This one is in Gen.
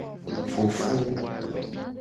Fofowu.